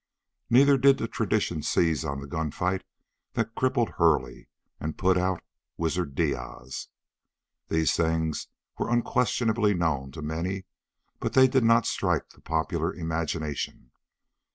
Neither did tradition seize on the gunfight that crippled Hurley and "put out" wizard Diaz. These things were unquestionably known to many, but they did not strike the popular imagination.